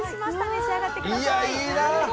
召し上がってください。